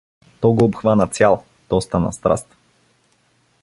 То го обхвана цял, то стана страст.